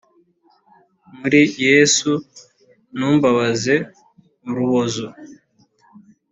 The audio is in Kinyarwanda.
mr yesu ntumbabaze urubozo